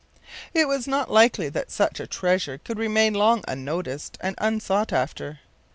It was not likely that such a treasure could remain long unnoticed and unsought after.